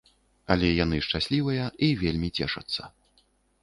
Але яны шчаслівыя і вельмі цешацца.